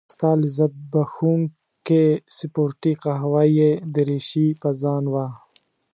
ستا لذت بخښونکې سپورتي قهوه يي دريشي په ځان وه.